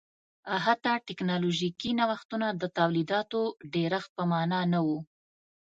حتی ټکنالوژیکي نوښتونه د تولیداتو ډېرښت په معنا نه و